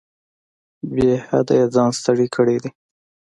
بې حده یې ځان ستړی کړی دی.